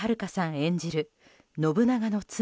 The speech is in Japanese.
演じる信長の妻